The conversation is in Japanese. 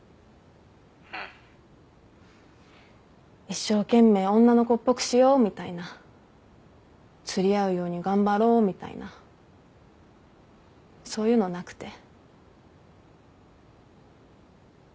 一生懸命女の子っぽくしようみたいな釣り合うように頑張ろうみたいなそういうのなくて。